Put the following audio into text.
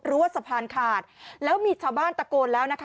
ว่าสะพานขาดแล้วมีชาวบ้านตะโกนแล้วนะคะ